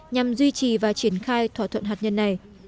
nhằm duy trì và triển khai thỏa thuận hạt nhân này